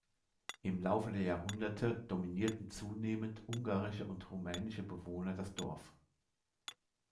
Im Laufe der Jahrhunderte dominierten zunehmend ungarische und rumänische Bewohner das Dorf.